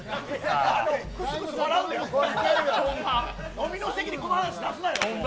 飲みの席でこの話出すなよ。